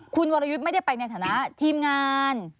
คุณวรยุทธ์ไม่ได้ไปในฐานะทีมงาน